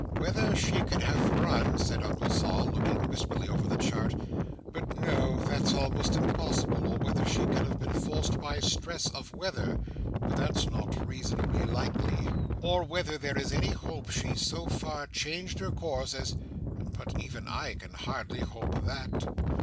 "Whether she can have run," said Uncle Sol, looking wistfully over the chart; "but no, that's almost impossible or whether she can have been forced by stress of weather,—but that's not reasonably likely. Or whether there is any hope she so far changed her course as—but even I can hardly hope that!"